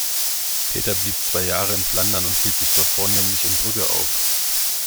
Peter blieb zwei Jahre in Flandern und hielt sich dort vornehmlich in Brügge auf.